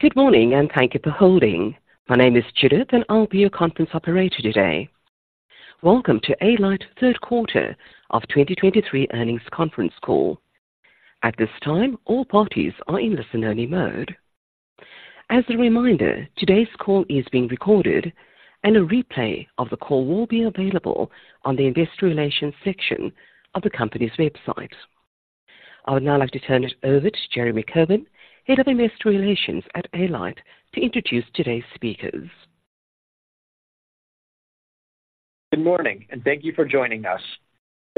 Good morning, and thank you for holding. My name is Judith, and I'll be your conference operator today. Welcome to Alight Third Quarter of 2023 Earnings Conference Call. At this time, all parties are in listen-only mode. As a reminder, today's call is being recorded, and a replay of the call will be available on the investor relations section of the company's website. I would now like to turn it over to Jeremy Cohen, Head of Investor Relations at Alight, to introduce today's speakers. Good morning, and thank you for joining us.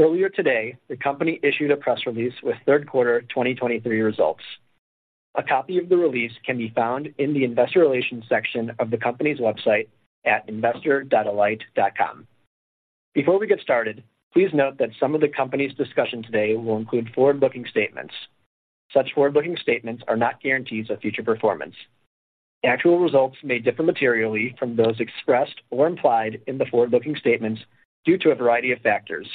Earlier today, the company issued a press release with third quarter 2023 results. A copy of the release can be found in the Investor Relations section of the company's website at investor.alight.com. Before we get started, please note that some of the company's discussion today will include forward-looking statements. Such forward-looking statements are not guarantees of future performance. Actual results may differ materially from those expressed or implied in the forward-looking statements due to a variety of factors.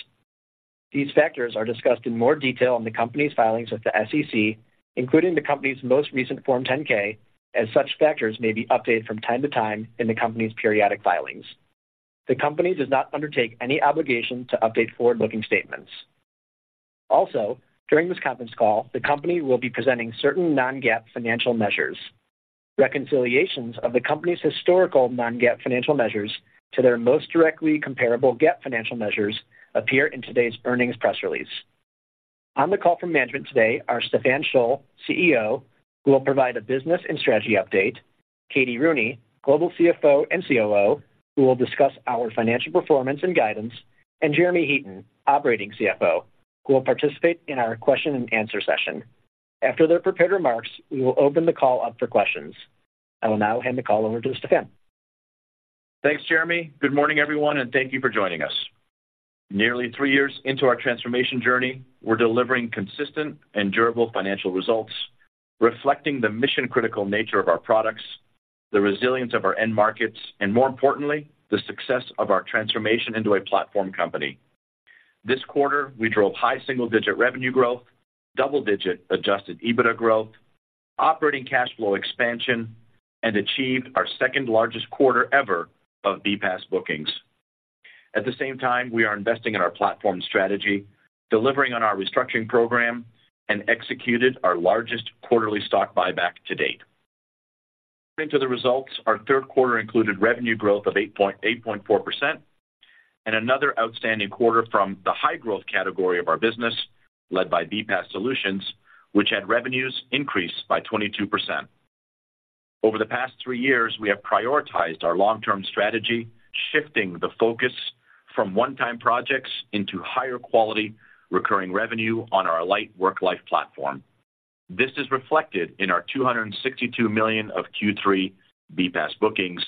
These factors are discussed in more detail in the company's filings with the SEC, including the company's most recent Form 10-K, as such factors may be updated from time to time in the company's periodic filings. The company does not undertake any obligation to update forward-looking statements. Also, during this conference call, the company will be presenting certain non-GAAP financial measures. Reconciliations of the company's historical non-GAAP financial measures to their most directly comparable GAAP financial measures appear in today's earnings press release. On the call from management today are Stephan Scholl, CEO, who will provide a business and strategy update, Katie Rooney, Global CFO and COO, who will discuss our financial performance and guidance, and Jeremy Heaton, Operating CFO, who will participate in our question and answer session. After their prepared remarks, we will open the call up for questions. I will now hand the call over to Stephan Scholl. Thanks, Jeremy. Good morning, everyone, and thank you for joining us. Nearly three years into our transformation journey, we're delivering consistent and durable financial results, reflecting the mission-critical nature of our products, the resilience of our end markets, and more importantly, the success of our transformation into a platform company. This quarter, we drove high single-digit revenue growth, double-digit Adjusted EBITDA growth, operating cash flow expansion, and achieved our second-largest quarter ever of BPaaS bookings. At the same time, we are investing in our platform strategy, delivering on our restructuring program, and executed our largest quarterly stock buyback to date. Into the results, our third quarter included revenue growth of 8.4% and another outstanding quarter from the high-growth category of our business, led by BPaaS Solutions, which had revenues increased by 22%. Over the past three years, we have prioritized our long-term strategy, shifting the focus from one-time projects into higher quality, recurring revenue on our Alight WorkLife platform. This is reflected in our $262 million of Q3 BPaaS bookings,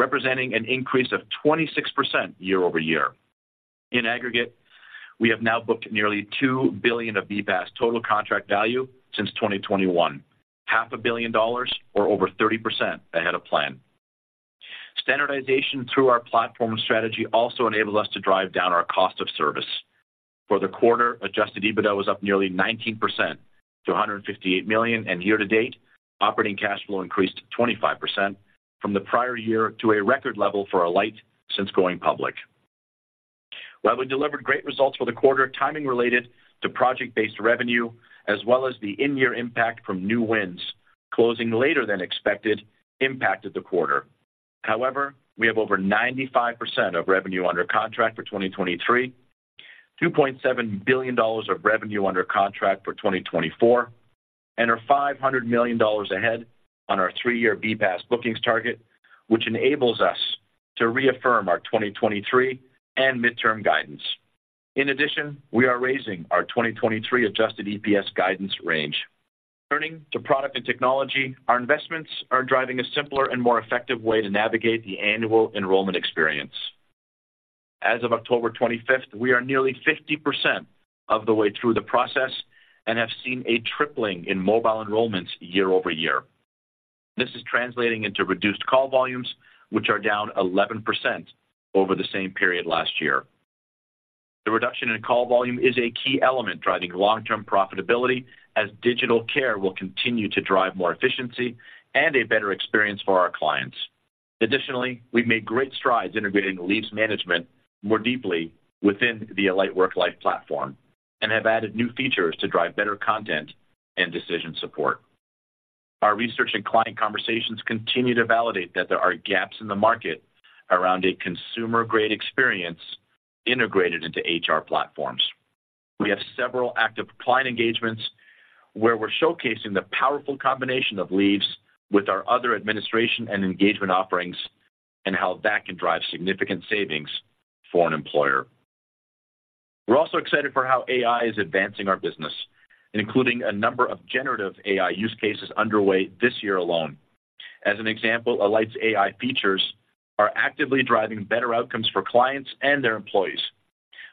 representing an increase of 26% year-over-year. In aggregate, we have now booked nearly $2 billion of BPaaS total contract value since 2021, $500 million or over 30% ahead of plan. Standardization through our platform strategy also enabled us to drive down our cost of service. For the quarter, Adjusted EBITDA was up nearly 19% to $158 million, and year-to-date, Operating Cash Flow increased 25% from the prior year to a record level for Alight since going public. While we delivered great results for the quarter, timing related to project-based revenue as well as the in-year impact from new wins, closing later than expected impacted the quarter. However, we have over 95% of revenue under contract for 2023, $2.7 billion of revenue under contract for 2024, and are $500 million ahead on our three-year BPaaS bookings target, which enables us to reaffirm our 2023 and midterm guidance. In addition, we are raising our 2023 adjusted EPS guidance range. Turning to product and technology, our investments are driving a simpler and more effective way to navigate the annual enrollment experience. As of October 25th, we are nearly 50% of the way through the process and have seen a tripling in mobile enrollments year-over-year. This is translating into reduced call volumes, which are down 11% over the same period last year. The reduction in call volume is a key element driving long-term profitability, as digital care will continue to drive more efficiency and a better experience for our clients. Additionally, we've made great strides integrating leave management more deeply within the Alight WorkLife platform and have added new features to drive better content and decision support. Our research and client conversations continue to validate that there are gaps in the market around a consumer-grade experience integrated into HR platforms. We have several active client engagements where we're showcasing the powerful combination of leaves with our other administration and engagement offerings and how that can drive significant savings for an employer. We're also excited for how AI is advancing our business, including a number of generative AI use cases underway this year alone. As an example, Alight's AI features are actively driving better outcomes for clients and their employees,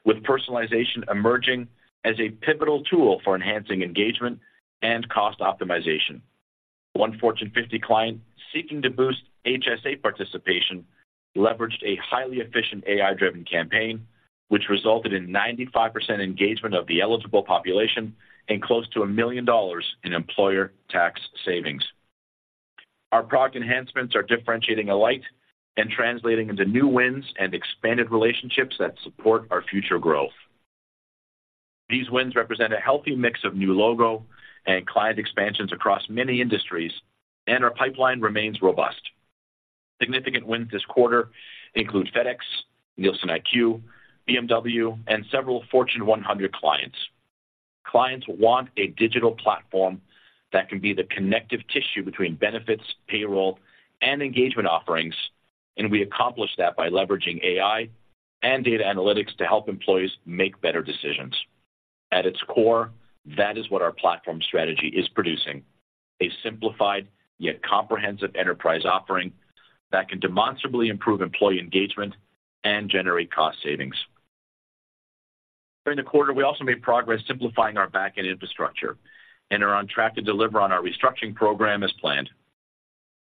with personalization emerging as a pivotal tool for enhancing engagement and cost optimization. One Fortune 50 client seeking to boost HSA participation leveraged a highly efficient AI-driven campaign, which resulted in 95% engagement of the eligible population and close to $1 million in employer tax savings. Our product enhancements are differentiating Alight and translating into new wins and expanded relationships that support our future growth. These wins represent a healthy mix of new logo and client expansions across many industries, and our pipeline remains robust. Significant wins this quarter include FedEx, NielsenIQ, BMW, and several Fortune 100 clients. Clients want a digital platform that can be the connective tissue between benefits, payroll, and engagement offerings, and we accomplish that by leveraging AI and data analytics to help employees make better decisions. At its core, that is what our platform strategy is producing: a simplified yet comprehensive enterprise offering that can demonstrably improve employee engagement and generate cost savings. During the quarter, we also made progress simplifying our back-end infrastructure and are on track to deliver on our restructuring program as planned.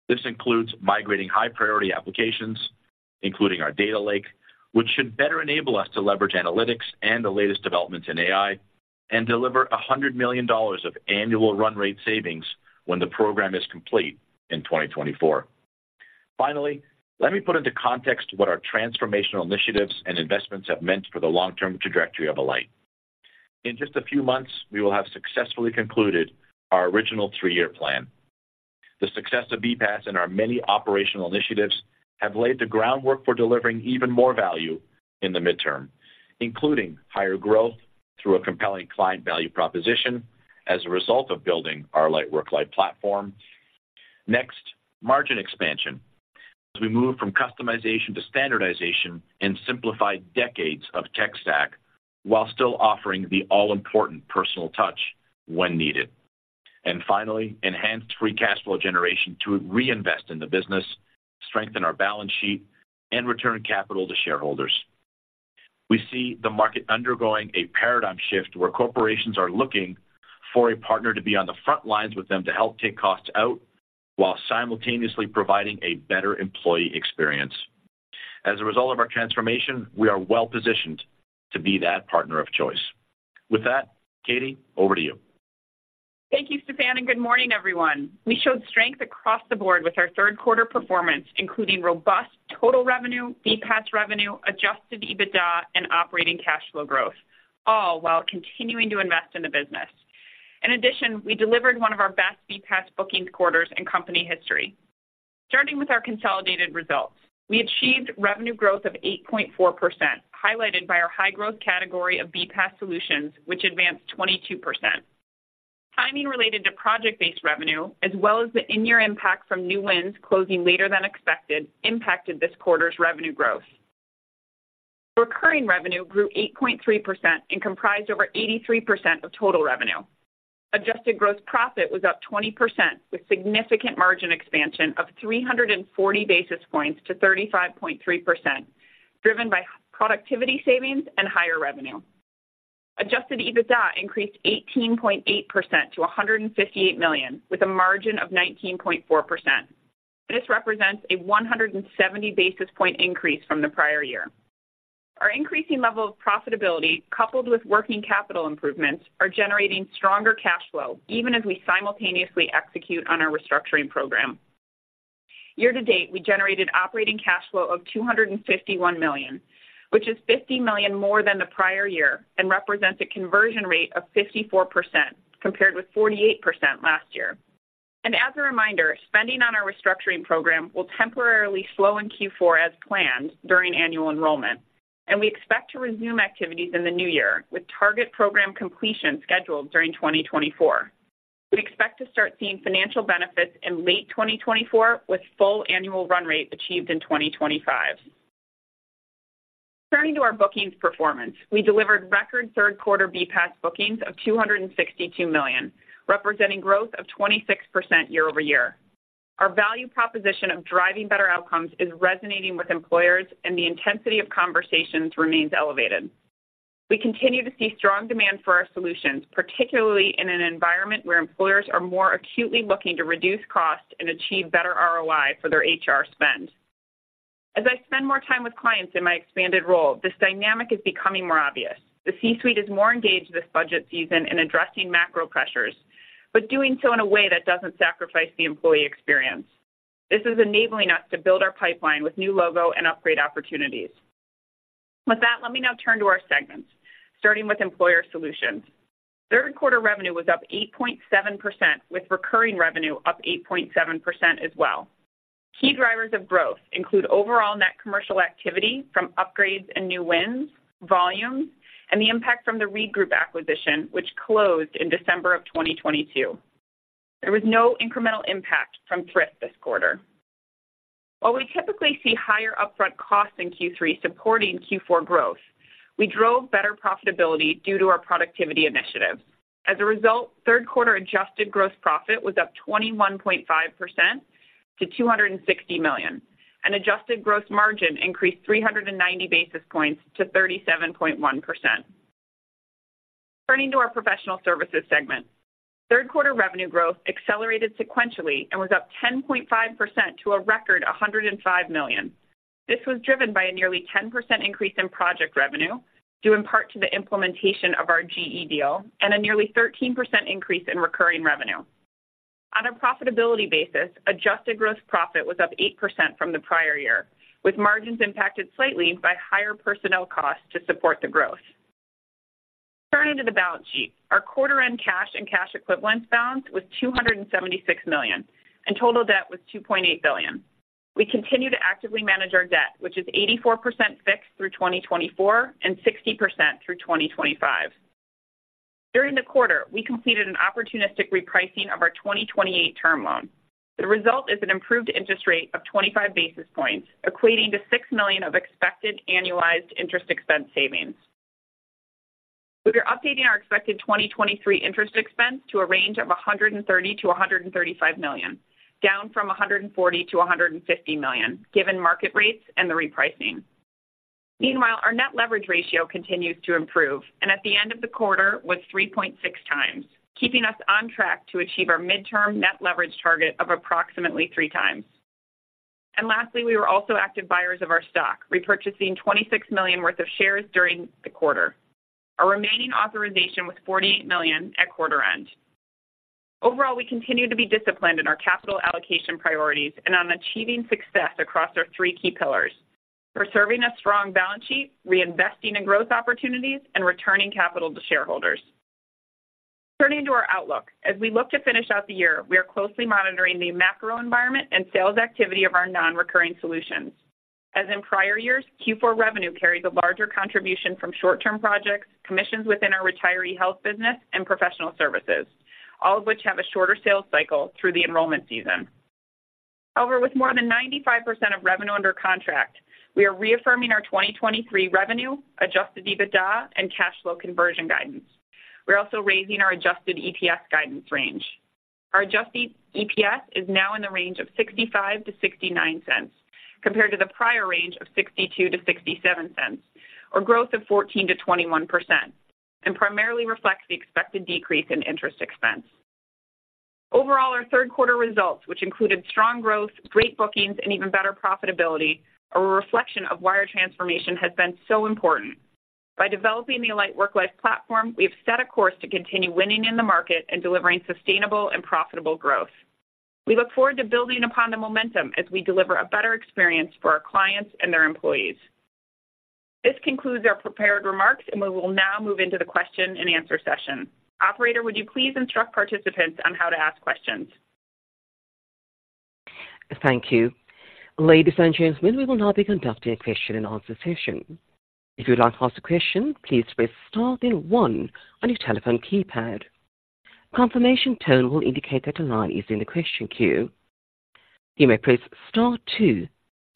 This includes migrating high-priority applications, including our data lake, which should better enable us to leverage analytics and the latest developments in AI and deliver $100 million of annual run rate savings when the program is complete in 2024. Finally, let me put into context what our transformational initiatives and investments have meant for the long-term trajectory of Alight. In just a few months, we will have successfully concluded our original three-year plan. The success of BPaaS and our many operational initiatives have laid the groundwork for delivering even more value in the midterm, including higher growth through a compelling client value proposition as a result of building our Alight WorkLife platform. Next, margin expansion, as we move from customization to standardization and simplify decades of tech stack, while still offering the all-important personal touch when needed. And finally, enhanced free cash flow generation to reinvest in the business, strengthen our balance sheet, and return capital to shareholders. We see the market undergoing a paradigm shift, where corporations are looking for a partner to be on the front lines with them to help take costs out while simultaneously providing a better employee experience. As a result of our transformation, we are well positioned to be that partner of choice. With that, Katie, over to you. Thank you, Stephan, and good morning, everyone. We showed strength across the board with our third quarter performance, including robust total revenue, BPaaS revenue, Adjusted EBITDA, and operating cash flow growth, all while continuing to invest in the business. In addition, we delivered one of our best BPaaS bookings quarters in company history. Starting with our consolidated results, we achieved revenue growth of 8.4%, highlighted by our high-growth category of BPaaS solutions, which advanced 22%. Timing related to project-based revenue, as well as the in-year impact from new wins closing later than expected, impacted this quarter's revenue growth. Recurring revenue grew 8.3% and comprised over 83% of total revenue. Adjusted gross profit was up 20%, with significant margin expansion of 340 basis points to 35.3%, driven by productivity savings and higher revenue. Adjusted EBITDA increased 18.8% to $158 million, with a margin of 19.4%. This represents a 170 basis point increase from the prior year. Our increasing level of profitability, coupled with working capital improvements, are generating stronger cash flow, even as we simultaneously execute on our restructuring program. Year to date, we generated operating cash flow of $251 million, which is $50 million more than the prior year and represents a conversion rate of 54%, compared with 48% last year. As a reminder, spending on our restructuring program will temporarily slow in Q4 as planned during annual enrollment, and we expect to resume activities in the new year, with target program completion scheduled during 2024. We expect to start seeing financial benefits in late 2024, with full annual run rate achieved in 2025. Turning to our bookings performance, we delivered record third quarter BPaaS bookings of $262 million, representing growth of 26% year-over-year. Our value proposition of driving better outcomes is resonating with employers, and the intensity of conversations remains elevated. We continue to see strong demand for our solutions, particularly in an environment where employers are more acutely looking to reduce costs and achieve better ROI for their HR spend. As I spend more time with clients in my expanded role, this dynamic is becoming more obvious. The C-suite is more engaged this budget season in addressing macro pressures, but doing so in a way that doesn't sacrifice the employee experience. This is enabling us to build our pipeline with new logo and upgrade opportunities. With that, let me now turn to our segments, starting with employer solutions. Third quarter revenue was up 8.7%, with recurring revenue up 8.7% as well. Key drivers of growth include overall net commercial activity from upgrades and new wins, volumes, and the impact from the ReedGroup acquisition, which closed in December 2022. There was no incremental impact from Thrift this quarter. While we typically see higher upfront costs in Q3 supporting Q4 growth, we drove better profitability due to our productivity initiatives. As a result, third quarter adjusted gross profit was up 21.5% to $260 million, and adjusted gross margin increased 390 basis points to 37.1%.... Turning to our professional services segment. Third quarter revenue growth accelerated sequentially and was up 10.5% to a record $105 million. This was driven by a nearly 10% increase in project revenue, due in part to the implementation of our GE deal, and a nearly 13% increase in Recurring Revenue. On a profitability basis, Adjusted Gross Profit was up 8% from the prior year, with margins impacted slightly by higher personnel costs to support the growth. Turning to the balance sheet, our quarter-end cash and cash equivalents balance was $276 million, and total debt was $2.8 billion. We continue to actively manage our debt, which is 84% fixed through 2024 and 60% through 2025. During the quarter, we completed an opportunistic repricing of our 2028 term loan. The result is an improved interest rate of 25 basis points, equating to $6 million of expected annualized interest expense savings. We're updating our expected 2023 interest expense to a range of $130 million-$135 million, down from $140 million-$150 million, given market rates and the repricing. Meanwhile, our net leverage ratio continues to improve, and at the end of the quarter was 3.6x, keeping us on track to achieve our midterm net leverage target of approximately 3x. And lastly, we were also active buyers of our stock, repurchasing $26 million worth of shares during the quarter. Our remaining authorization was $48 million at quarter end. Overall, we continue to be disciplined in our capital allocation priorities and on achieving success across our three key pillars: preserving a strong balance sheet, reinvesting in growth opportunities, and returning capital to shareholders. Turning to our outlook, as we look to finish out the year, we are closely monitoring the macro environment and sales activity of our non-recurring solutions. As in prior years, Q4 revenue carries a larger contribution from short-term projects, commissions within our retiree health business, and professional services, all of which have a shorter sales cycle through the enrollment season. However, with more than 95% of revenue under contract, we are reaffirming our 2023 revenue, Adjusted EBITDA, and cash flow conversion guidance. We're also raising our adjusted EPS guidance range. Our adjusted EPS is now in the range of $0.65-$0.69, compared to the prior range of $0.62-$0.67, or growth of 14%-21%, and primarily reflects the expected decrease in interest expense. Overall, our third quarter results, which included strong growth, great bookings, and even better profitability, are a reflection of why our transformation has been so important. By developing the Alight WorkLife platform, we have set a course to continue winning in the market and delivering sustainable and profitable growth. We look forward to building upon the momentum as we deliver a better experience for our clients and their employees. This concludes our prepared remarks, and we will now move into the question and answer session. Operator, would you please instruct participants on how to ask questions? Thank you. Ladies and gentlemen, we will now be conducting a question and answer session. If you'd like to ask a question, please press star then one on your telephone keypad. Confirmation tone will indicate that a line is in the question queue. You may press star two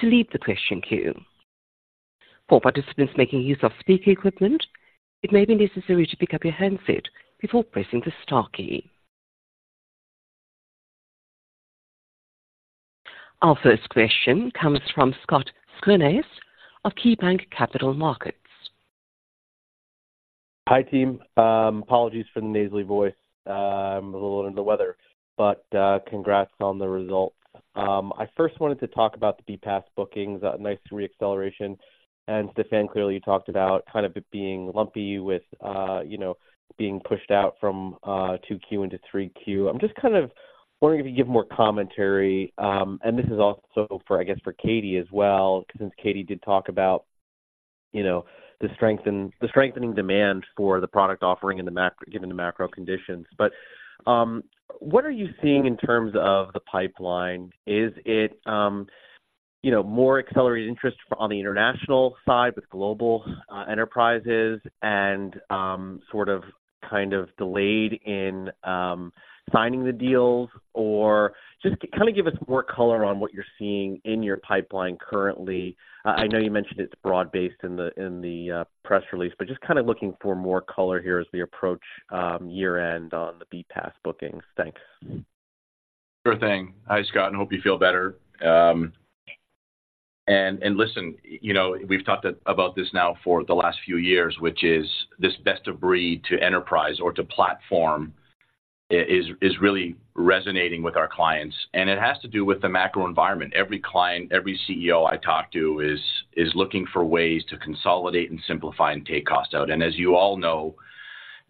to leave the question queue. For participants making use of speaker equipment, it may be necessary to pick up your handset before pressing the star key. Our first question comes from Scott Schoenhaus of KeyBanc Capital Markets. Hi, team. Apologies for the nasally voice. A little under the weather, but, congrats on the results. I first wanted to talk about the BPaaS bookings, a nice re-acceleration. And Stephan, clearly, you talked about kind of it being lumpy with, you know, being pushed out from, 2Q into 3Q. I'm just kind of wondering if you give more commentary, and this is also for, I guess, for Katie as well, since Katie did talk about, you know, the strength and the strengthening demand for the product offering in the macro—given the macro conditions. But, what are you seeing in terms of the pipeline? Is it, you know, more accelerated interest on the international side with global, enterprises and, sort of, kind of delayed in, signing the deals? Or just kind of give us more color on what you're seeing in your pipeline currently. I know you mentioned it's broad-based in the press release, but just kind of looking for more color here as we approach year-end on the BPaaS bookings. Thanks. Sure thing. Hi, Scott, and hope you feel better. And listen, you know, we've talked about this now for the last few years, which is this best-of-breed to enterprise or to platform is really resonating with our clients, and it has to do with the macro environment. Every client, every CEO I talk to is looking for ways to consolidate and simplify and take costs out. And as you all know,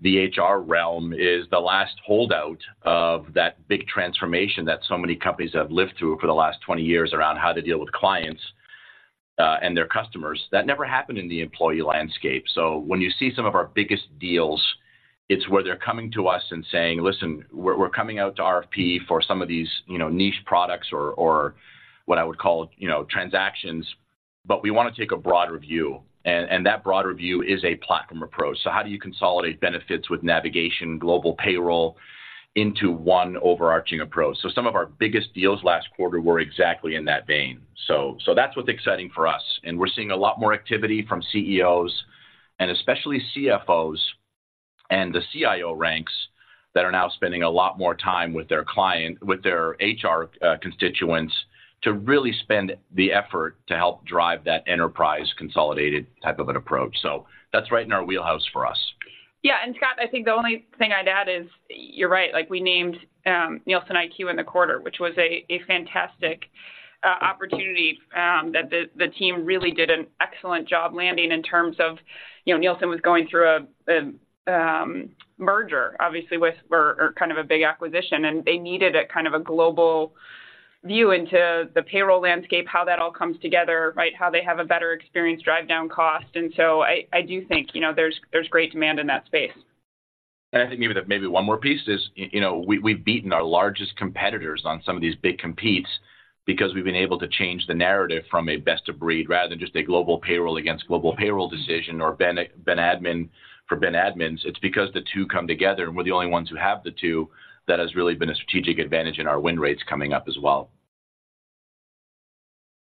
the HR realm is the last holdout of that big transformation that so many companies have lived through for the last 20 years around how to deal with clients and their customers. That never happened in the employee landscape. So when you see some of our biggest deals, it's where they're coming to us and saying: "Listen, we're coming out to RFP for some of these, you know, niche products or what I would call, you know, transactions, but we want to take a broad review." And that broad review is a platform approach. So how do you consolidate benefits with navigation, global payroll, into one overarching approach? So some of our biggest deals last quarter were exactly in that vein. So that's what's exciting for us, and we're seeing a lot more activity from CEOs and especially CFOs and the CIO ranks.... that are now spending a lot more time with their client, with their HR, constituents, to really spend the effort to help drive that enterprise-consolidated type of an approach. So that's right in our wheelhouse for us. Yeah, and Scott, I think the only thing I'd add is, you're right. Like, we named NielsenIQ in the quarter, which was a fantastic opportunity that the team really did an excellent job landing in terms of, you know, NielsenIQ was going through a merger, obviously, with or kind of a big acquisition, and they needed a kind of a global view into the payroll landscape, how that all comes together, right? How they have a better experience, drive down cost. And so I do think, you know, there's great demand in that space. I think maybe one more piece is, you know, we've beaten our largest competitors on some of these big competes because we've been able to change the narrative from a best-of-breed rather than just a global payroll against global payroll decision or Ben Admin for Ben Admins. It's because the two come together, and we're the only ones who have the two that has really been a strategic advantage in our win rates coming up as well.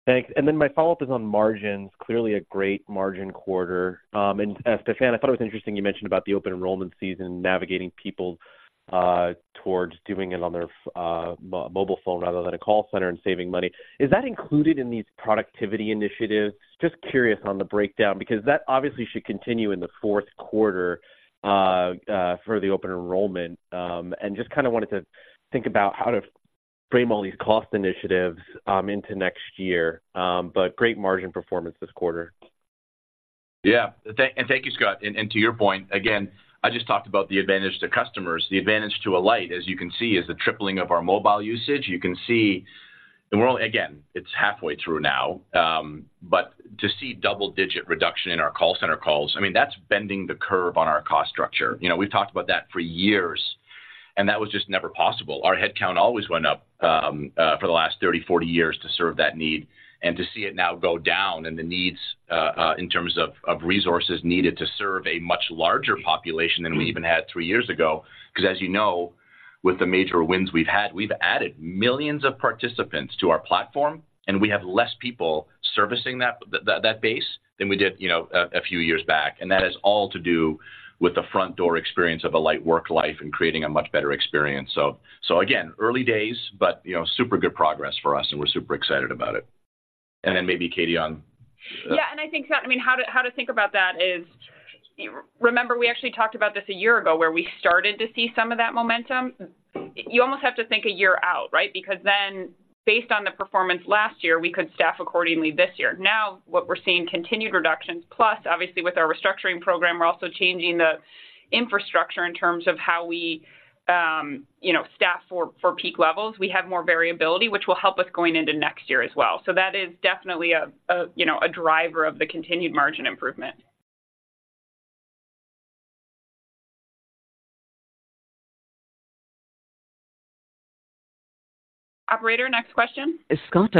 Thanks. And then my follow-up is on margins. Clearly, a great margin quarter. Stephan, I thought it was interesting you mentioned about the open enrollment season, navigating people towards doing it on their mobile phone rather than a call center and saving money. Is that included in these productivity initiatives? Just curious on the breakdown, because that obviously should continue in the fourth quarter for the open enrollment. Just kind of wanted to think about how to frame all these cost initiatives into next year. Great margin performance this quarter. Yeah. Thank you, Scott. And to your point, again, I just talked about the advantage to customers. The advantage to Alight, as you can see, is the tripling of our mobile usage. You can see, and we're only—again, it's halfway through now, but to see double-digit reduction in our call center calls, I mean, that's bending the curve on our cost structure. You know, we've talked about that for years, and that was just never possible. Our headcount always went up, for the last 30, 40 years to serve that need, and to see it now go down and the needs in terms of resources needed to serve a much larger population than we even had three years ago. Because as you know, with the major wins we've had, we've added millions of participants to our platform, and we have less people servicing that base than we did, you know, a few years back. And that is all to do with the front door experience of Alight WorkLife and creating a much better experience. So again, early days but, you know, super good progress for us, and we're super excited about it. And then maybe, Katie, on- Yeah, and I think, Scott, I mean, how to think about that is, remember we actually talked about this a year ago, where we started to see some of that momentum? You almost have to think a year out, right? Because then, based on the performance last year, we could staff accordingly this year. Now, what we're seeing continued reductions plus, obviously, with our restructuring program, we're also changing the infrastructure in terms of how we, you know, staff for peak levels. We have more variability, which will help us going into next year as well. So that is definitely a, you know, a driver of the continued margin improvement. Operator, next question. Scott,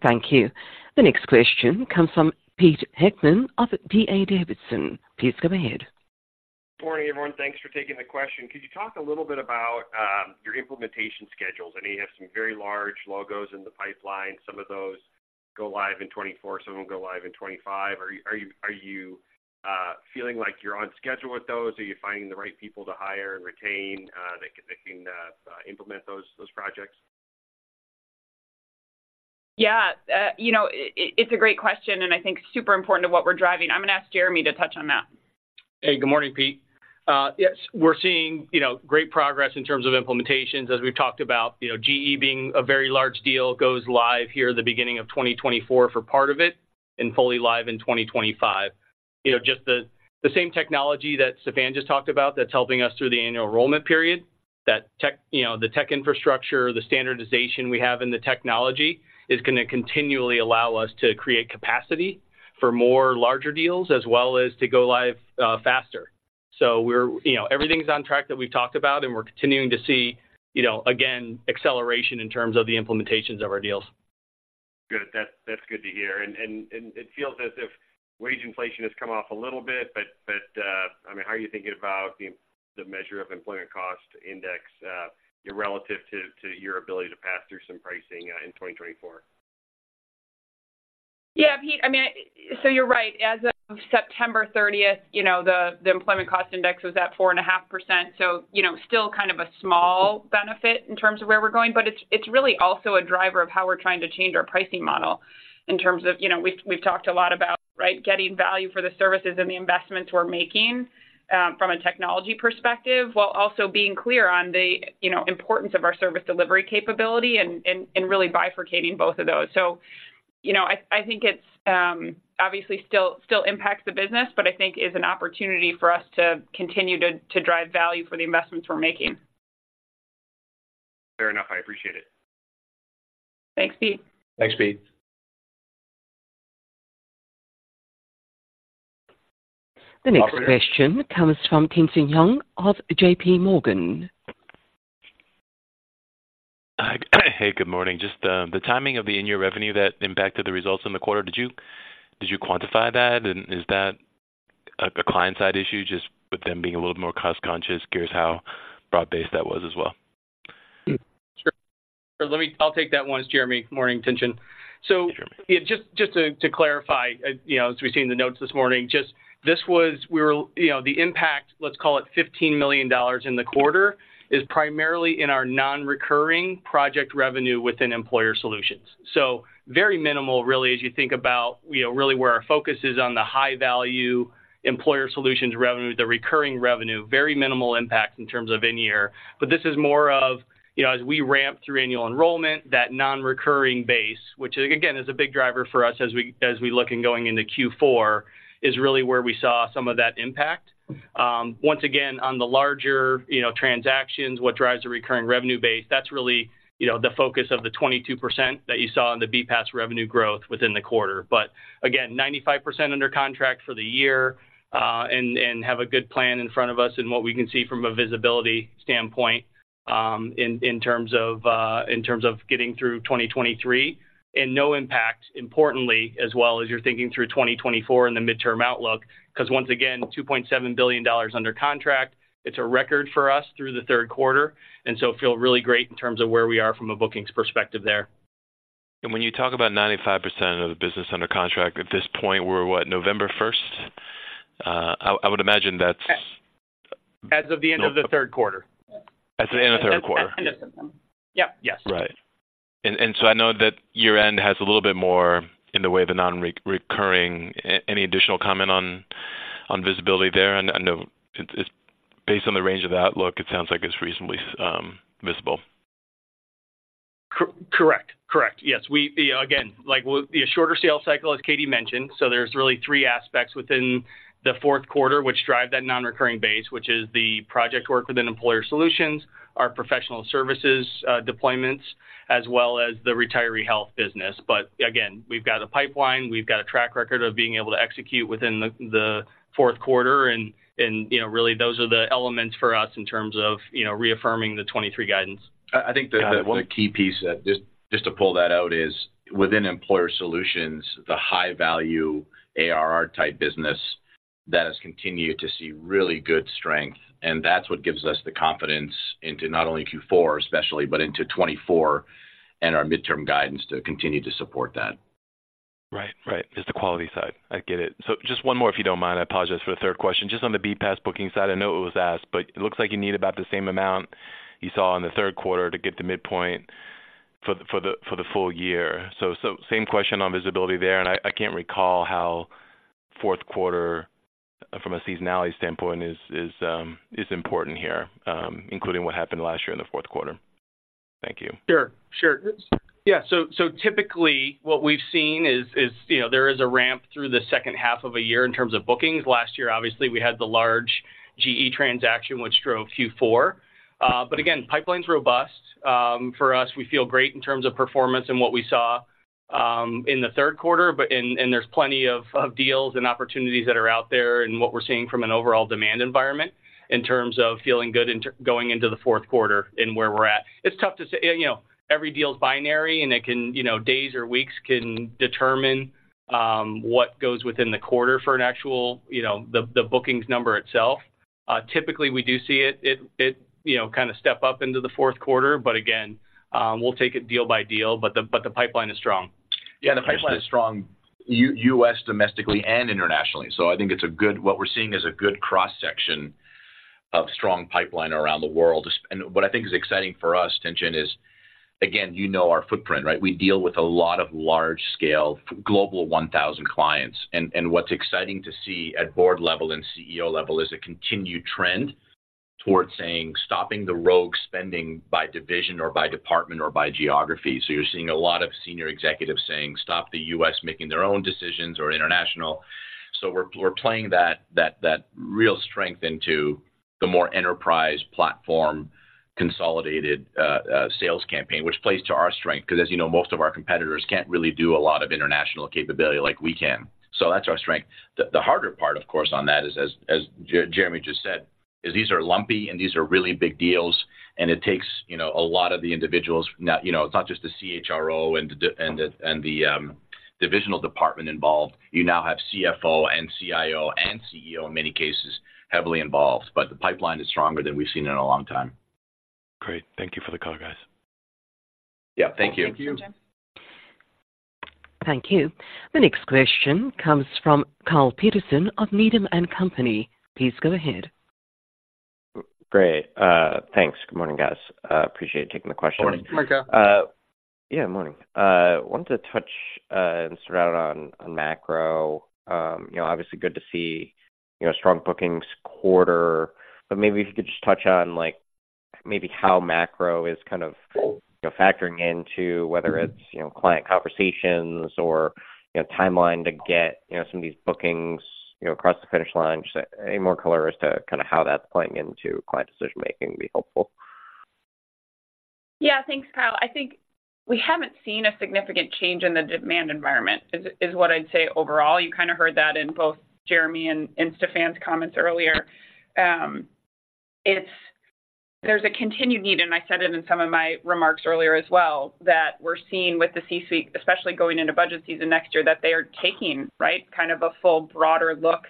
thank you. The next question comes from Pete Heckmann of D.A. Davidson. Please go ahead. Good morning, everyone. Thanks for taking the question. Could you talk a little bit about your implementation schedules? I know you have some very large logos in the pipeline. Some of those go live in 2024, some of them go live in 2025. Are you feeling like you're on schedule with those? Are you finding the right people to hire and retain that can implement those projects? Yeah. You know, it's a great question, and I think super important to what we're driving. I'm going to ask Jeremy to touch on that. Hey, good morning, Pete. Yes, we're seeing, you know, great progress in terms of implementations, as we've talked about. You know, GE being a very large deal, goes live here at the beginning of 2024 for part of it and fully live in 2025. You know, just the same technology that Stephan just talked about that's helping us through the annual enrollment period, that tech. You know, the tech infrastructure, the standardization we have in the technology, is going to continually allow us to create capacity for more larger deals as well as to go live faster. So we're. You know, everything's on track that we've talked about, and we're continuing to see, you know, again, acceleration in terms of the implementations of our deals. Good. That's good to hear, and it feels as if wage inflation has come off a little bit, but I mean, how are you thinking about the measure of Employment Cost Index, relative to your ability to pass through some pricing in 2024? Yeah, Pete, I mean, so you're right. As of September thirtieth, you know, the Employment Cost Index was at 4.5%. So, you know, still kind of a small benefit in terms of where we're going, but it's really also a driver of how we're trying to change our pricing model. In terms of, you know, we've talked a lot about, right, getting value for the services and the investments we're making from a technology perspective, while also being clear on the importance of our service delivery capability and really bifurcating both of those. So, you know, I think it's obviously still impacts the business, but I think is an opportunity for us to continue to drive value for the investments we're making. Fair enough. I appreciate it. Thanks, Pete. Thanks, Pete. The next question comes from Tien-tsin Huang of JPMorgan. Hey, good morning. Just the timing of the in-year revenue that impacted the results in the quarter, did you quantify that? And is that a client-side issue, just with them being a little more cost-conscious? Curious how broad-based that was as well. I'll take that one. It's Jeremy. Morning, Tien-tsin. So- Just to clarify, you know, as we've seen the notes this morning, just this was—we were, you know, the impact, let's call it $15 million in the quarter, is primarily in our non-recurring project revenue within Employer Solutions. So very minimal, really, as you think about, you know, really where our focus is on the high-value Employer Solutions revenue, the recurring revenue, very minimal impact in terms of in-year. But this is more of, you know, as we ramp through Annual Enrollment, that non-recurring base, which again, is a big driver for us as we look in going into Q4, is really where we saw some of that impact. Once again, on the larger, you know, transactions, what drives the recurring revenue base, that's really, you know, the focus of the 22% that you saw in the BPaaS revenue growth within the quarter. But again, 95% under contract for the year, and have a good plan in front of us in what we can see from a visibility standpoint, in terms of getting through 2023. And no impact, importantly, as well as you're thinking through 2024 and the midterm outlook, 'cause once again, $2.7 billion under contract. It's a record for us through the third quarter, and so feel really great in terms of where we are from a bookings perspective there. When you talk about 95% of the business under contract, at this point, we're what? November first? I would imagine that's- As of the end of the third quarter. As of the end of the third quarter. End of third quarter. Yep. Yes. Right. And so I know that year-end has a little bit more in the way of the nonrecurring. Any additional comment on visibility there? And I know it's based on the range of the outlook; it sounds like it's reasonably visible. Correct. Yes, we again, like, with the shorter sales cycle, as Katie mentioned, so there's really three aspects within the fourth quarter, which drive that non-recurring base, which is the project work within Employer Solutions, our professional services, deployments, as well as the retiree health business. But again, we've got a pipeline. We've got a track record of being able to execute within the fourth quarter, and you know, really, those are the elements for us in terms of you know, reaffirming the 2023 guidance. I think that one of the key pieces, just to pull that out, is within Employer Solutions, the high-value ARR-type business, that has continued to see really good strength, and that's what gives us the confidence into not only Q4 especially, but into 2024, and our midterm guidance to continue to support that. Right. Right. Just the quality side. I get it. So just one more, if you don't mind. I apologize for the third question. Just on the BPaaS booking side, I know it was asked, but it looks like you need about the same amount you saw in the third quarter to get to midpoint for the full year. So same question on visibility there, and I can't recall how fourth quarter, from a seasonality standpoint, is important here, including what happened last year in the fourth quarter. Thank you. Sure, sure. Yeah, so typically, what we've seen is, you know, there is a ramp through the second half of a year in terms of bookings. Last year, obviously, we had the large GE transaction, which drove Q4. But again, pipeline's robust. For us, we feel great in terms of performance and what we saw in the third quarter, and there's plenty of deals and opportunities that are out there, and what we're seeing from an overall demand environment, in terms of feeling good going into the fourth quarter and where we're at. It's tough to say, and you know, every deal is binary, and it can, you know, days or weeks can determine what goes within the quarter for an actual, you know, the bookings number itself. Typically, we do see it, you know, kind of step up into the fourth quarter, but again, we'll take it deal by deal, but the pipeline is strong. Yeah, the pipeline is strong, U.S., domestically and internationally. So I think what we're seeing is a good cross-section of strong pipeline around the world. And what I think is exciting for us, Tien-tsin, is, again, you know our footprint, right? We deal with a lot of large-scale Global 1000 clients, and what's exciting to see at board level and CEO level is a continued trend towards saying, "Stopping the rogue spending by division or by department or by geography." So you're seeing a lot of senior executives saying, "Stop the U.S. making their own decisions or international." So we're playing that real strength into the more enterprise platform, consolidated sales campaign, which plays to our strength, 'cause as you know, most of our competitors can't really do a lot of international capability like we can. So that's our strength. The harder part, of course, on that is, as Jeremy just said, is these are lumpy, and these are really big deals, and it takes, you know, a lot of the individuals. Now, you know, it's not just the CHRO and the divisional department involved. You now have CFO and CIO and CEO, in many cases, heavily involved, but the pipeline is stronger than we've seen in a long time. Great. Thank you for the call, guys. Yeah, thank you. Thank you. Thank you. Thank you. The next question comes from Kyle Peterson of Needham & Company. Please go ahead. Great. Thanks. Good morning, guys. Appreciate you taking the question. Morning. Morning, Kyle. Yeah, morning. Wanted to touch and start out on macro. You know, obviously good to see, you know, strong bookings quarter, but maybe if you could just touch on, like, maybe how macro is kind of, you know, factoring into whether it's, you know, client conversations or, you know, timeline to get, you know, some of these bookings, you know, across the finish line. Just any more color as to kind of how that's playing into client decision-making would be helpful. Yeah. Thanks, Kyle. I think we haven't seen a significant change in the demand environment, is what I'd say overall. You kind of heard that in both Jeremy and Stephan's comments earlier. It's. There's a continued need, and I said it in some of my remarks earlier as well, that we're seeing with the C-suite, especially going into budget season next year, that they are taking, right, kind of a full, broader look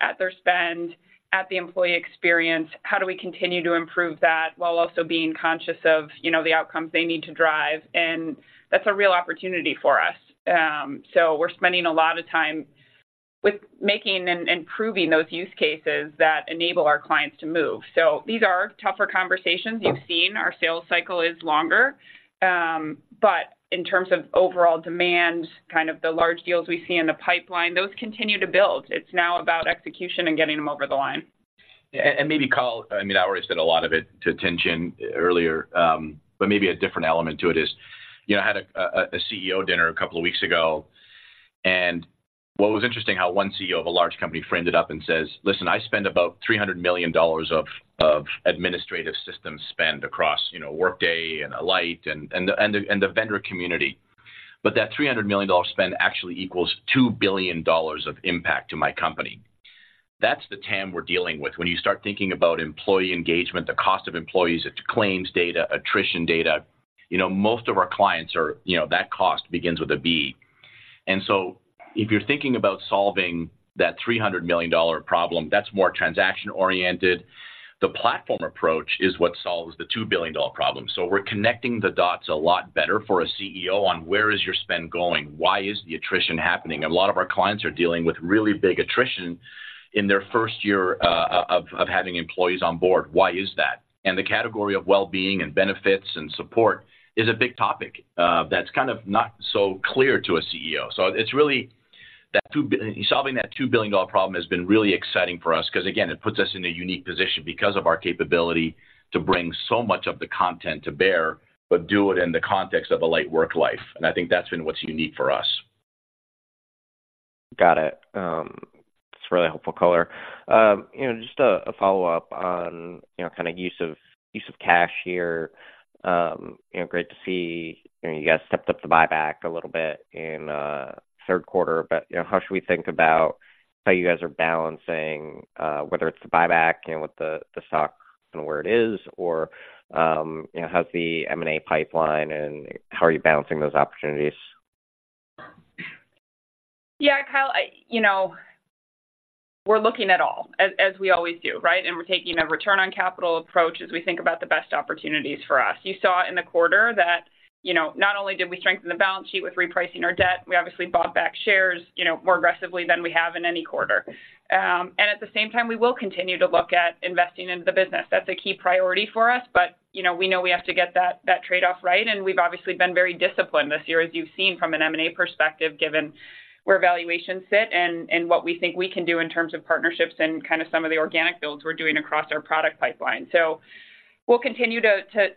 at their spend, at the employee experience, how do we continue to improve that while also being conscious of, you know, the outcomes they need to drive? And that's a real opportunity for us. So we're spending a lot of time with making and proving those use cases that enable our clients to move. So these are tougher conversations. You've seen our sales cycle is longer, but in terms of overall demand, kind of the large deals we see in the pipeline, those continue to build. It's now about execution and getting them over the line. Maybe, Kyle, I mean, I already said a lot of it to Tien-tsin earlier, but maybe a different element to it is, you know, I had a CEO dinner a couple of weeks ago, and what was interesting how one CEO of a large company fronted up and says: "Listen, I spend about $300 million of administrative system spend across, you know, Workday and Alight and the vendor community. But that $300 million spend actually equals $2 billion of impact to my company." That's the TAM we're dealing with. When you start thinking about employee engagement, the cost of employees, it's claims data, attrition data. You know, most of our clients are... You know, that cost begins with a B. And so if you're thinking about solving that $300 million problem, that's more transaction-oriented. The platform approach is what solves the $2 billion problem. So we're connecting the dots a lot better for a CEO on where is your spend going? Why is the attrition happening? A lot of our clients are dealing with really big attrition in their first year of having employees on board. Why is that? And the category of well-being and benefits and support is a big topic that's kind of not so clear to a CEO. So it's really that solving that $2 billion problem has been really exciting for us, 'cause, again, it puts us in a unique position because of our capability to bring so much of the content to bear, but do it in the context of Alight WorkLife. And I think that's been what's unique for us. Got it. That's a really helpful color. You know, just a follow-up on, you know, kind of use of cash here. You know, great to see, you know, you guys stepped up the buyback a little bit in third quarter, but, you know, how should we think about how you guys are balancing whether it's the buyback, you know, with the stock and where it is, or, you know, how's the M&A pipeline, and how are you balancing those opportunities? Yeah, Kyle. You know, we're looking at all, as we always do, right? And we're taking a return on capital approach as we think about the best opportunities for us. You saw in the quarter that, you know, not only did we strengthen the balance sheet with repricing our debt, we obviously bought back shares, you know, more aggressively than we have in any quarter. And at the same time, we will continue to look at investing into the business. That's a key priority for us, but, you know, we know we have to get that trade-off right, and we've obviously been very disciplined this year, as you've seen from an M&A perspective, given where valuations sit and what we think we can do in terms of partnerships and kind of some of the organic builds we're doing across our product pipeline. So we'll continue to,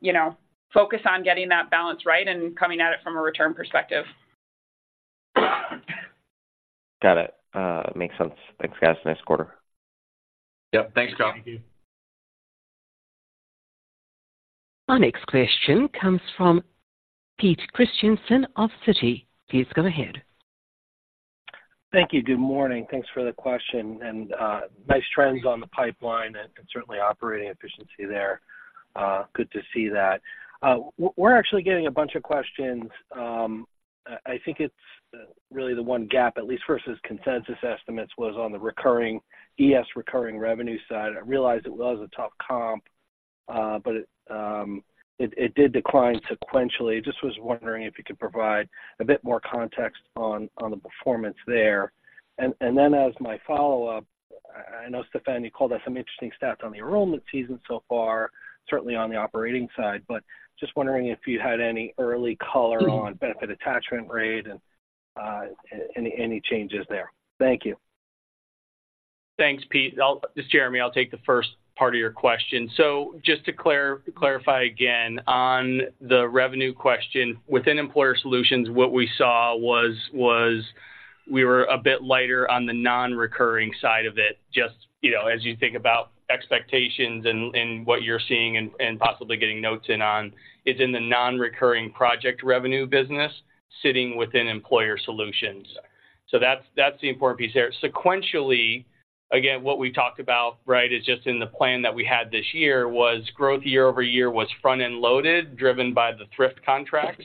you know, focus on getting that balance right and coming at it from a return perspective. Got it. Makes sense. Thanks, guys. Nice quarter. Yep. Thanks, Kyle. Thank you. Our next question comes from Pete Christiansen of Citi. Please go ahead. Thank you. Good morning. Thanks for the question, and nice trends on the pipeline and certainly operating efficiency there. Good to see that. We're actually getting a bunch of questions. I think it's really the one gap, at least versus consensus estimates, was on the recurring ES recurring revenue side. I realize it was a tough comp, but it did decline sequentially. Just was wondering if you could provide a bit more context on the performance there. And then as my follow-up, I know, Stephan, you called out some interesting stats on the enrollment season so far, certainly on the operating side, but just wondering if you had any early color on benefit attachment rate and any changes there. Thank you. Thanks, Pete. This is Jeremy. I'll take the first part of your question. So just to clarify again, on the revenue question, within Employer Solutions, what we saw was we were a bit lighter on the non-recurring side of it. Just, you know, as you think about expectations and what you're seeing and possibly getting notes in on, is in the non-recurring project revenue business sitting within Employer Solutions. So that's the important piece there. Sequentially, again, what we talked about, right, is just in the plan that we had this year was growth year-over-year was front-end loaded, driven by the Thrift contract,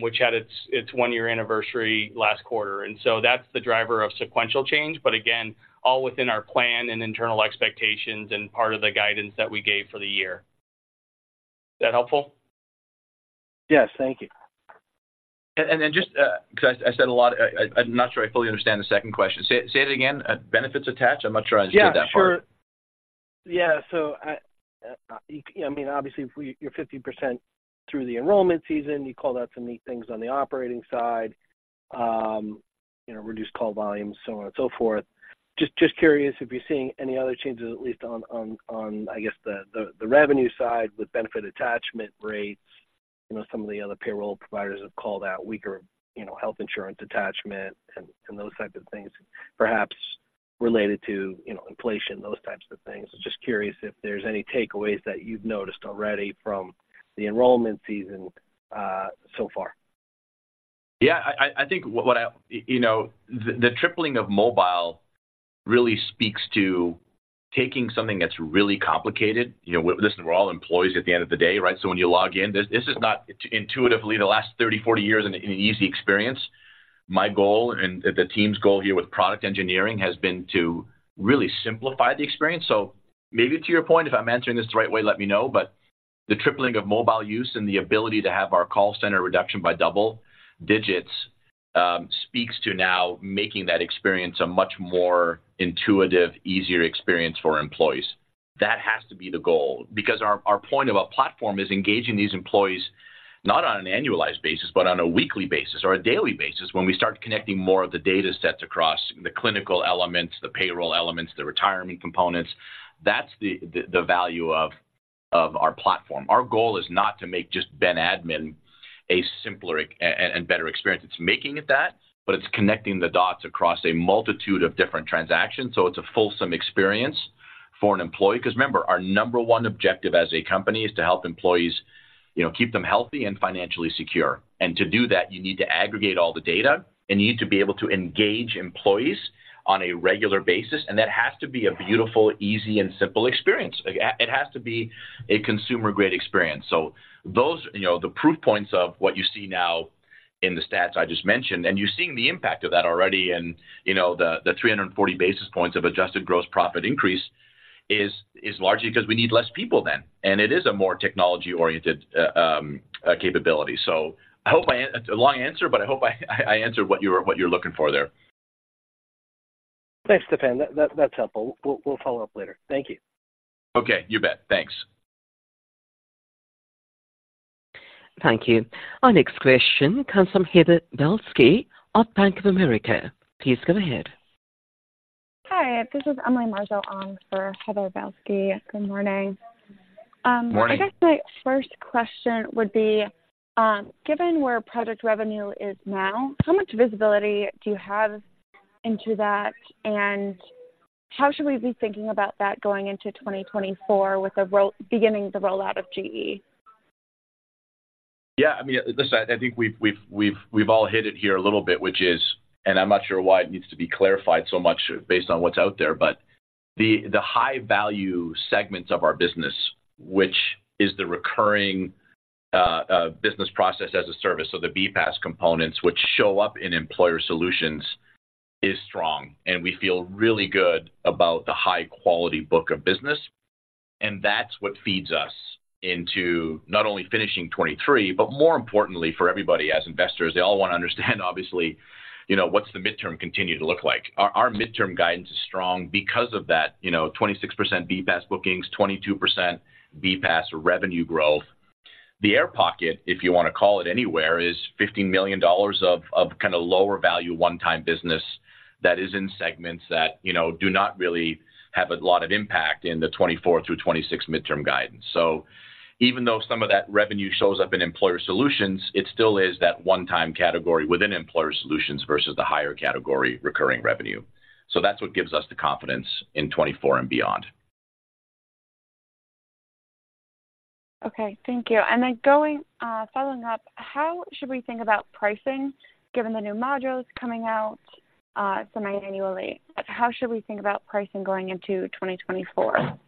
which had its one-year anniversary last quarter. And so that's the driver of sequential change, but again, all within our plan and internal expectations and part of the guidance that we gave for the year. Is that helpful? Yes. Thank you. And then just 'cause I said a lot, I'm not sure I fully understand the second question. Say it again. Benefits attach? I'm not sure I heard that part. Yeah, sure. Yeah, so I, you-- I mean, obviously, if we-- you're 50% through the enrollment season, you called out some neat things on the operating side, you know, reduced call volumes, so on and so forth. Just curious if you're seeing any other changes, at least on, I guess, the revenue side with benefit attachment rates. You know, some of the other payroll providers have called out weaker, you know, health insurance attachment and those types of things, perhaps related to, you know, inflation, those types of things. Just curious if there's any takeaways that you've noticed already from the enrollment season so far. Yeah, I think what I... You know, the tripling of mobile really speaks to taking something that's really complicated, you know, listen, we're all employees at the end of the day, right? So when you log in, this is not intuitively, the last 30-40 years, an easy experience. My goal and the team's goal here with product engineering has been to really simplify the experience. So maybe to your point, if I'm answering this the right way, let me know, but the tripling of mobile use and the ability to have our call center reduction by double digits speaks to now making that experience a much more intuitive, easier experience for employees. That has to be the goal because our point of our platform is engaging these employees, not on an annualized basis, but on a weekly basis or a daily basis when we start connecting more of the data sets across the clinical elements, the payroll elements, the retirement components. That's the value of our platform. Our goal is not to make just Ben Admin a simpler and better experience. It's making it that, but it's connecting the dots across a multitude of different transactions, so it's a fulsome experience for an employee. 'Cause remember, our number one objective as a company is to help employees... You know, keep them healthy and financially secure. And to do that, you need to aggregate all the data, and you need to be able to engage employees on a regular basis, and that has to be a beautiful, easy, and simple experience. It has to be a consumer-grade experience. So those, you know, the proof points of what you see now in the stats I just mentioned, and you're seeing the impact of that already, and, you know, the, the 340 basis points of Adjusted Gross Profit increase is, is largely 'cause we need less people then, and it is a more technology-oriented capability. So I hope I answered. It's a long answer, but I hope I answered what you're looking for there. Thanks, Stephan. That, that's helpful. We'll follow up later. Thank you. Okay, you bet. Thanks. Thank you. Our next question comes from Heather Balsky of Bank of America. Please go ahead. Hi, this is Emily Marzo on for Heather Balsky. Good morning. Morning. I guess my first question would be, given where product revenue is now, how much visibility do you have into that, and how should we be thinking about that going into 2024 with the beginning the rollout of GE? Yeah, I mean, listen, I think we've all hit it here a little bit, which is... And I'm not sure why it needs to be clarified so much based on what's out there, but the high-value segments of our business, which is the recurring business process as a service, so the BPaaS components, which show up in employer solutions, is strong, and we feel really good about the high-quality book of business, and that's what feeds us into not only finishing 2023, but more importantly, for everybody, as investors, they all want to understand obviously, you know, what's the midterm continue to look like? Our midterm guidance is strong because of that, you know, 26% BPaaS bookings, 22% BPaaS revenue growth. The air pocket, if you want to call it anywhere, is $15 million of kind of lower value, one-time business that is in segments that, you know, do not really have a lot of impact in the 2024-2026 midterm guidance. So even though some of that revenue shows up in employer solutions, it still is that one-time category within employer solutions versus the higher category recurring revenue. So that's what gives us the confidence in 2024 and beyond. Okay. Thank you, and then, following up, how should we think about pricing given the new modules coming out semi-annually? How should we think about pricing going into 2024?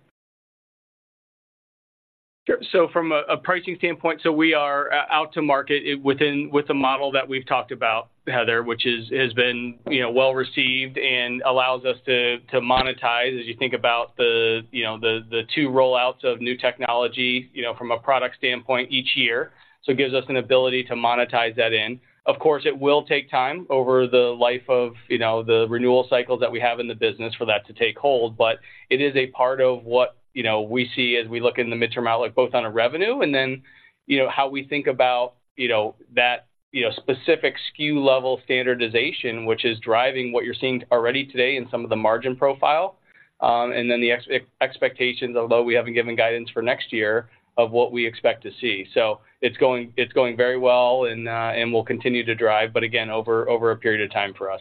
Sure. So from a pricing standpoint, so we are out to market with the model that we've talked about, Heather, which is, has been, you know, well-received and allows us to monetize as you think about the, you know, the two rollouts of new technology, you know, from a product standpoint each year. So it gives us an ability to monetize that in. Of course, it will take time over the life of, you know, the renewal cycles that we have in the business for that to take hold, but it is a part of what, you know, we see as we look in the midterm outlook, both on a revenue and then, you know, how we think about, you know, that, you know, specific SKU level standardization, which is driving what you're seeing already today in some of the margin profile. And then the expectations, although we haven't given guidance for next year, of what we expect to see. So it's going very well, and will continue to drive, but again, over a period of time for us.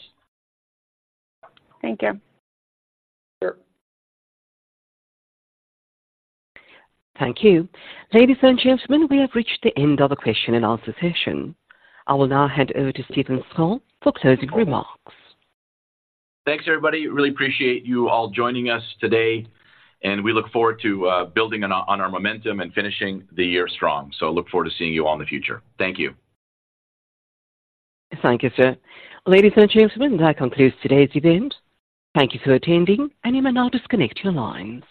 Thank you. Sure. Thank you. Ladies and gentlemen, we have reached the end of the question and answer session. I will now hand over to Stephan Scholl for closing remarks. Thanks, everybody. Really appreciate you all joining us today, and we look forward to building on our momentum and finishing the year strong. I look forward to seeing you all in the future. Thank you. Thank you, sir. Ladies and gentlemen, that concludes today's event. Thank you for attending, and you may now disconnect your lines.